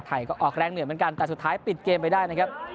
ก็ออกแรงเหนื่อยเหมือนกันแต่สุดท้ายปิดเกมไปได้นะครับ